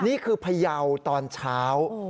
นี่คือเผยาอาทิตย์ตอนเช้า